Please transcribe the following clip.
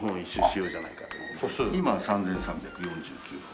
今３３４９歩。